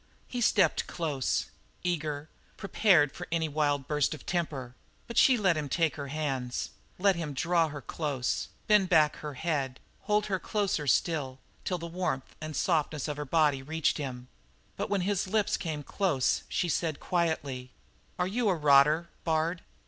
He stepped close, eager, prepared for any wild burst of temper; but she let him take her hands, let him draw her close, bend back her head; hold her closer still, till the warmth and softness of her body reached him, but when his lips came close she said quietly: "Are you a rotter, Bard?"